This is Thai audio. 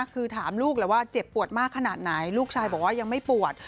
คือถามลูกแล้วว่าเจ็บปวดมากขนาดไหนลูกชายบอกว่ายังไม่ปวด